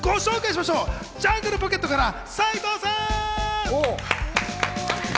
ジャングルポケットから斉藤さん！